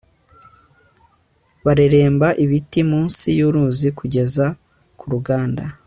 bareremba ibiti munsi yuruzi kugeza ku ruganda